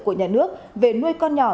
của nhà nước về nuôi con nhỏ